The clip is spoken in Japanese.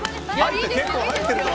結構入ってるぞ。